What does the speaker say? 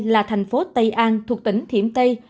là thành phố tây an thuộc tỉnh thiểm tây